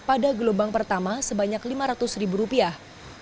pada gelombang pertama sebanyak lima ratus ribu rupiah